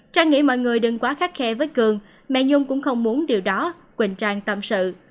trang nghĩ mọi người đừng quá khắt khe với cường mẹ nhung cũng không muốn điều đó quỳnh trang tâm sự